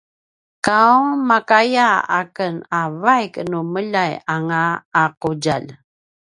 ’aw makaya aken a vaik nu meljayanga a ’udjalj?